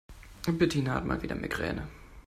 Bettina hat mal wieder Migräne.